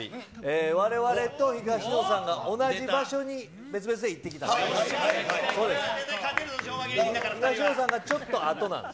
われわれと東野さんが同じ場所に別々で行ってきたんです。